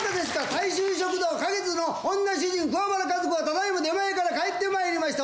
大衆食堂花月の女主人、桑原和子は、ただいま出前から帰ってまいりました。